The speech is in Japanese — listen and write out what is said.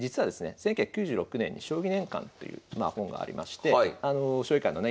１９９６年に「将棋年鑑」という本がありまして将棋界のね